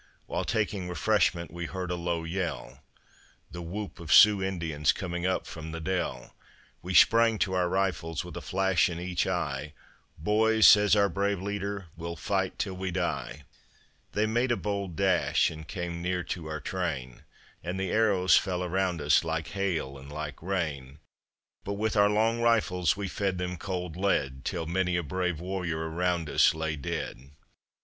While taking refreshment we heard a low yell, The whoop of Sioux Indians coming up from the dell; We sprang to our rifles with a flash in each eye, "Boys," says our brave leader, "we'll fight till we die." They made a bold dash and came near to our train And the arrows fell around us like hail and like rain, But with our long rifles we fed them cold lead Till many a brave warrior around us lay dead.